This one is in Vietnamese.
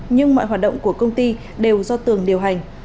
nhưng mọi hoạt động của công ty đều do tường điều hành